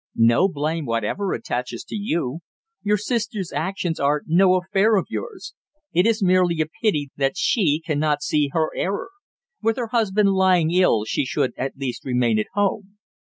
"No blame whatever attaches to you. Your sister's actions are no affair of ours. It is merely a pity that she cannot see her error. With her husband lying ill she should at least remain at home."